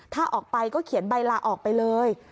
ถ้าออกไปก็เขียนใบลาออกไปเลย